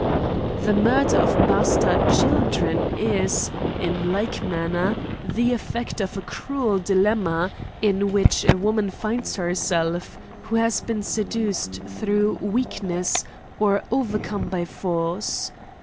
The murder of bastard children is, in like man ner, the effect of a cruel dilemma, in which a wo CRIMES AND PUNISHMENTS. 121 man finds herself, who has been seduced through weakness, or overcome by force.